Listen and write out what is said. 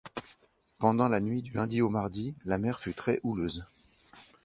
Pendant la nuit du lundi au mardi, la mer fut très-houleuse.